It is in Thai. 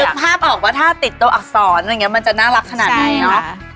นึกภาพออกว่าถ้าติดตัวอักษรมันจะน่ารักขนาดนี้เนอะ